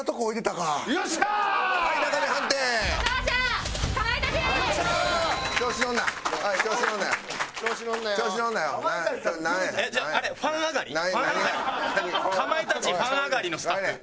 かまいたちファン上がりのスタッフ？